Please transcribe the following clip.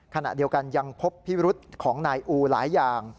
ขณะเดียวกันยังพบพิรุธของนายอูหลายอย่าง